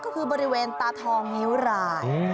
ก็คือบริเวณตาทองนิ้วราย